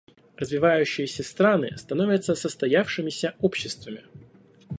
Развивающиеся страны становятся состоявшимися обществами.